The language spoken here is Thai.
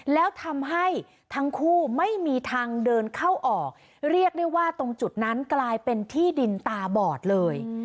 แล้วทำให้ทั้งคู่ไม่มีทางเดินเข้าออกเรียกได้ว่าตรงจุดนั้นกลายเป็นที่ดินตาบอดเลย